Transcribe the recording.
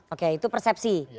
oke itu persepsi